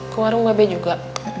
ke warung mbak be juga